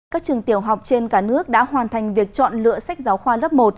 các trường tiểu học trên cả nước đã hoàn thành việc chọn lựa sách giáo khoa lớp một